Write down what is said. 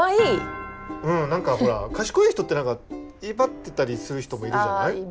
うん何かほら賢い人って威張ってたりする人もいるじゃない。